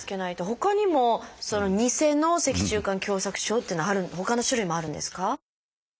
ほかにも「ニセの脊柱管狭窄症」っていうのはほかの種類もあるんですか？